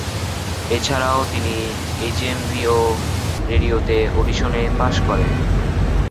এছাড়াও তিনি H M V ও রেডিওতে অডিশনে পাশ করেন।